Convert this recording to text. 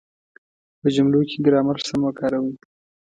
په جملو کې ګرامر سم وکاروئ.